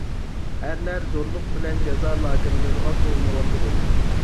ئەرلەر زورلۇق بىلەن جازا لاگېرلىرىغا سولىنىۋاتىدۇ .